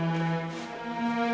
nanti kita berdua bisa berdua